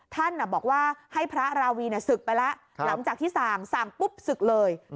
ท่านบอกว่าให้พระราวีศึกไปแล้วหลังจากที่สั่งสั่งปุ๊บศึกเลย